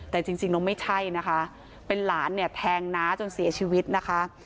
แต่จริงแล้วไม่ใช่นะคะเป็นหลานเนี่ยแทงน้าจนเสียชีวิตนะคะ